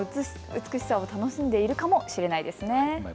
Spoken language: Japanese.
美しさを楽しんでいるかもしれないですね。